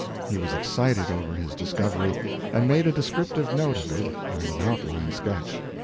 He was excited over his discovery, and made a descriptive note of it and an outline sketch.